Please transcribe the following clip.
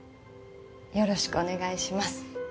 よろしくお願いします」